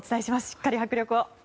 しっかり迫力を。